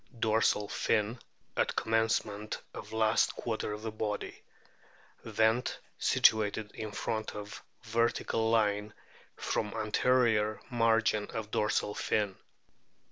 Dorsal fin at commencement of last quarter of body. Vent situated in front of vertical line from anterior margin of dorsal fin.